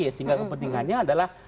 sehingga kepentingannya adalah